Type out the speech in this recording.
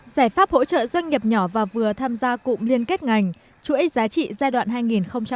giải pháp hỗ trợ doanh nghiệp nhỏ và vừa tham gia cụm liên kết ngành chuỗi giá trị giai đoạn hai nghìn một mươi sáu hai nghìn hai mươi